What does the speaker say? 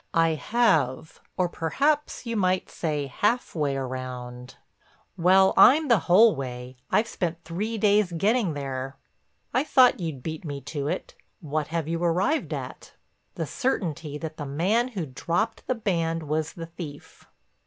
"I have, or perhaps you might say half way around." "Well, I'm the whole way. I've spent three days getting there." "I thought you'd beat me to it. What have you arrived at?" "The certainty that the man who dropped the band was the thief."